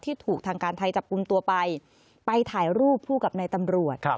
ถูกทางการไทยจับกลุ่มตัวไปไปถ่ายรูปคู่กับนายตำรวจ